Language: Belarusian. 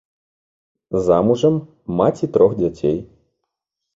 Замужам, маці трох дзяцей.